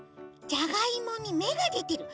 じゃがいもにめがでてる。